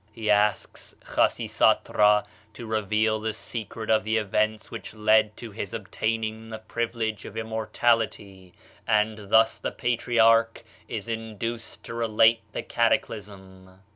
He asks Khasisatra to reveal the secret of the events which led to his obtaining the privilege of immortality, and thus the patriarch is induced to relate the cataclysm.